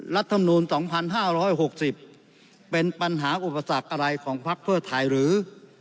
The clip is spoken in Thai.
รัฐมนูล๒๕๖๐เป็นปัญหาอุปสรรคอะไรของพักเพื่อไทยหรือ